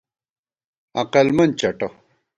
عقلمن چٹہ